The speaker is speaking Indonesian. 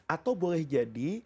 atau boleh jadi